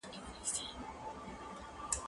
که وخت وي، نان خورم!!